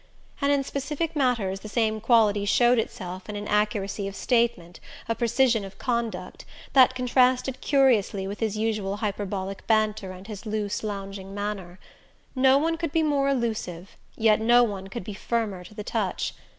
And in specific matters the same quality showed itself in an accuracy of statement, a precision of conduct, that contrasted curiously with his usual hyperbolic banter and his loose lounging manner. No one could be more elusive yet no one could be firmer to the touch.